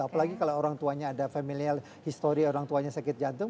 apalagi kalau orang tuanya ada familial histori orang tuanya sakit jantung